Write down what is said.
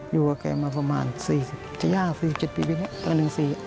อยู่กับแกมาประมาณ๔๐ปีจะยาก๔๗ปีเป็นอย่างนั้นประมาณ๑๔